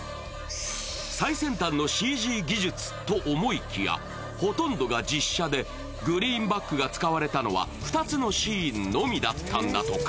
最先端のＣＧ技術と思いきやほとんどが実写でグリーンバッグが使われたのは２つのシーンのみだったんだとか。